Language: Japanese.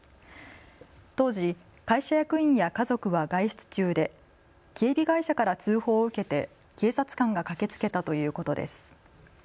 当時、会社役員や家族は外出中で警備会社から通報を受けて警察官が駆けつけたということです。